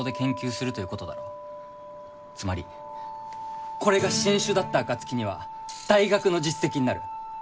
つまりこれが新種だった暁には大学の実績になる。